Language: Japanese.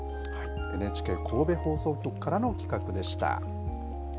ＮＨＫ神戸放送局からの企画でした。